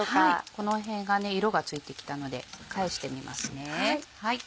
この辺が色がついてきたので返してみますね。